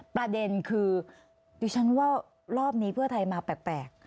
ประเด็นคือดิฉันว่ารอบนี้เพื่อไทยมาแปลก